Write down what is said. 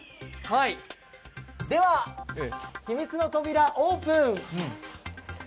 では、秘密の扉オープン！